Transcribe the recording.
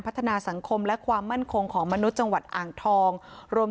พัฒนาสังคมและความมั่นคงของมนุษย์จังหวัดอ่างทองรวม